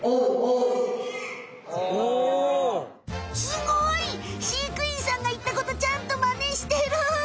すごい！飼育員さんが言ったことちゃんとマネしてる！